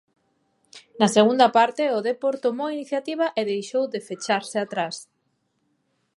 Na segunda parte, o Depor tomou a iniciativa e deixou de fecharse atrás.